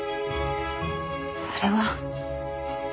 それは。